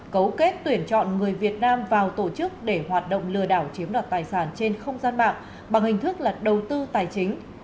cấu kết tuyển chọn người việt nam vào tổ chức để hoạt động lừa đảo chiếm đoạt tài sản trên không gian mạng bằng hình thức là đầu tư tài chính